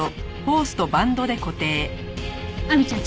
亜美ちゃん